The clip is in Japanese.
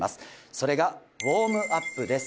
それがウォームアップです